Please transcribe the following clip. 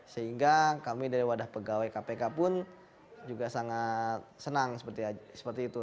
sehingga kami dari wadah pegawai kpk pun juga sangat senang seperti itu